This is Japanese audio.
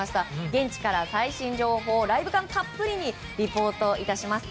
現地から最新情報ライブ感たっぷりにリポートします。